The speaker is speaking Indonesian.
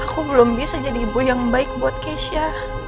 aku belum bisa jadi ibu yang baik buat keisha